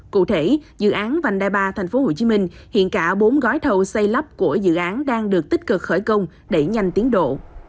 cụ thể dự án vành đai ba tp hcm hiện cả bốn gói thầu xây lắp của dự án đang được tích cực khởi công đẩy nhanh tiến độ